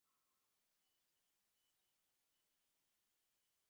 পরদিন আসিলেন পাগলদিদি স্বয়ং।